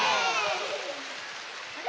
あれ？